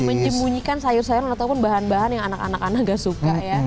jadi menyembunyikan sayur sayuran ataupun bahan bahan yang anak anak anak gak suka ya